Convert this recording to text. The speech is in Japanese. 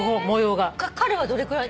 彼はどれくらい？